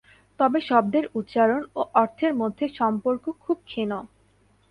তবে শব্দের উচ্চারণ ও অর্থের মধ্যে সম্পর্ক খুব ক্ষীণ।